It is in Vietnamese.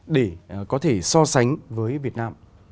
để có thể so sánh với việt nam